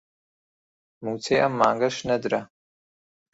مووچەی ئەم مانگەش نەدرا